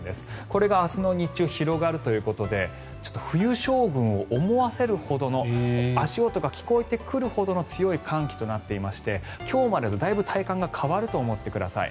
これが明日の日中広がるということでちょっと冬将軍を思わせるほどの足音が聞こえてくるほどの強い寒気となっていまして今日までとだいぶ体感が変わると思ってください。